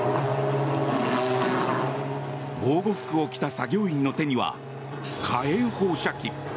防護服を着た作業員の手には火炎放射器。